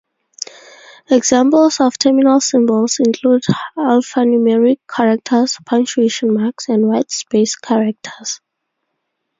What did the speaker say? Examples of terminal symbols include alphanumeric characters, punctuation marks, and whitespace characters.